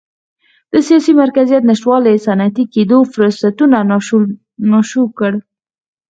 د سیاسي مرکزیت نشتوالي صنعتي کېدو فرصتونه ناشو کړل.